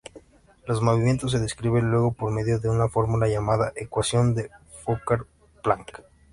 Los movimientos se describen luego por medio de una fórmula llamada Ecuación de Fokker-Planck.